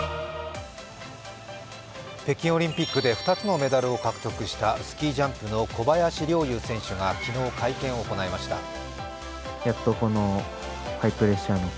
北京オリンピックで２つのメダルを獲得したスキージャンプの小林陵侑選手が昨日、会見を行いました。